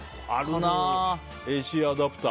ＡＣアダプター。